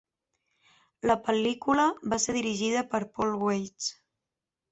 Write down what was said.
La pel·lícula va ser dirigida per Paul Weitz.